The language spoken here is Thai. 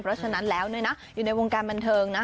เพราะฉะนั้นแล้วอยู่ในวงการบันเทิงนะ